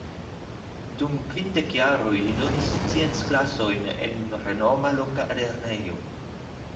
Dum kvindek jaroj li donis scienc-klasojn en renoma loka lernejo.